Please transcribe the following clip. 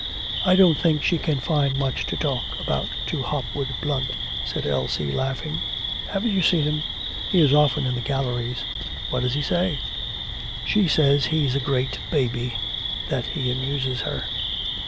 'I don't think she can find much to talk about to Hopwood Blunt,' said Elsie, laughing. 'Haven't you seen him? He is often in the galleries.' 'What does she say?' 'She says he's a great baby that he amuses her.'